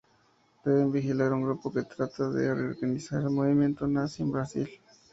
Deben vigilar a un grupo que trata de reorganizar el movimiento nazi en Brasil.